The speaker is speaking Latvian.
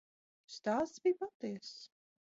Stāsts bija patiess.